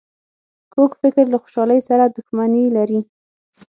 کوږ فکر له خوشحالۍ سره دښمني لري